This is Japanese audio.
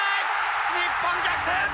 日本逆転！